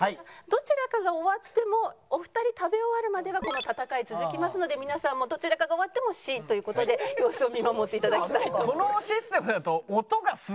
どちらかが終わってもお二人食べ終わるまではこの戦い続きますので皆さんもどちらかが終わっても「しーっ」という事で様子を見守って頂きたいと。